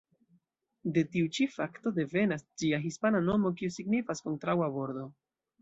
De tiu ĉi fakto devenas ĝia hispana nomo, kiu signifas "kontraŭa bordo".